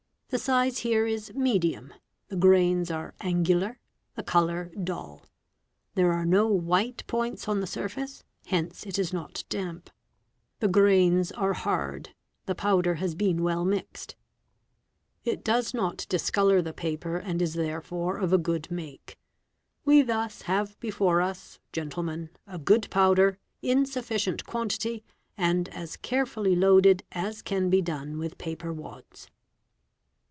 53); the size here is medium; the grains are angular, the Pa «a of ets . 1 ints ez ased > if ees. colour sit there are no white points ¢ "64223 e Raat on the surface, hence it is not damp 'Vehees "PELE the grains are hard, the powder fig. 58. been well mixed. It does not dis colour the paper, and is therefore of a good make. We thus have befor us, gentlemen, a good powder, in sufficient quantity, and as carefull loaded as can be done with paper wads."